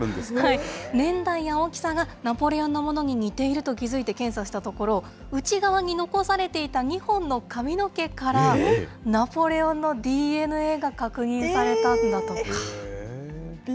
年代や大きさがナポレオンのものに似ていると気付いて検査したところ、内側に残されていた２本の髪の毛から、ナポレオンのＤＮＡが確認されたんだとか。